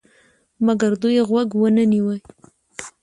مګر دوی غوږ ونه نیوی.